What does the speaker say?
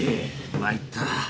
参った。